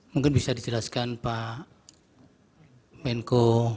mungkin bisa dijelaskan pak menko